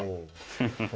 フフフ。